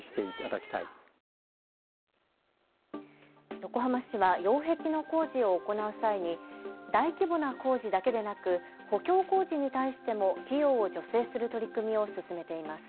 横浜市は擁壁の工事を行う際に大規模な工事だけでなく補強工事に対しても費用を助成する取り組みを進めています。